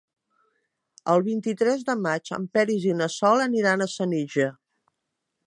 El vint-i-tres de maig en Peris i na Sol aniran a Senija.